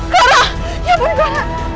clara ya pun clara